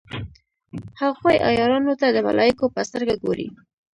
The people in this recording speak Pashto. هغوی عیارانو ته د ملایکو په سترګه ګوري.